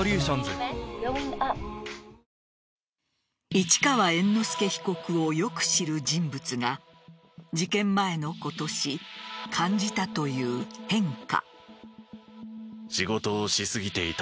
市川猿之助被告をよく知る人物が事件前の今年、感じたという変化。